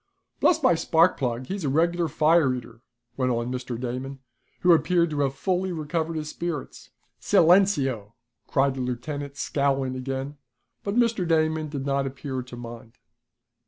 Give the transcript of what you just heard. "Bless my spark plug! He's a regular fire eater!" went on Mr. Damon, who appeared to have fully recovered his spirits. "Silenceo!" cried the lieutenant, scowling again, but Mr. Damon did not appear to mind.